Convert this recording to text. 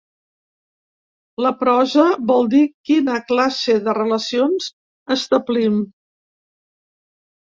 La prosa vol dir quina classe de relacions establim.